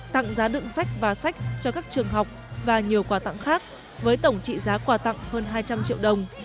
tặng giá đựng sách và sách cho các trường học và nhiều quà tặng khác với tổng trị giá quà tặng hơn hai trăm linh triệu đồng